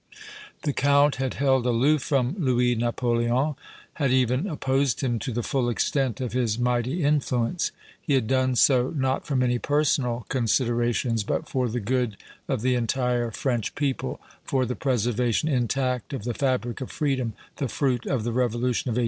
The Count had held aloof from Louis Napoleon, had even opposed him to the full extent of his mighty influence; he had done so not from any personal considerations, but for the good of the entire French people, for the preservation intact of the fabric of freedom, the fruit of the revolution of 1848.